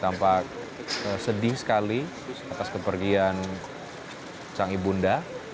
tampak sedih sekali atas kepergian changi bunda